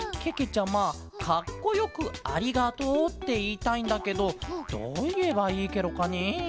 ちゃまかっこよく「ありがとう」っていいたいんだけどどういえばいいケロかねえ？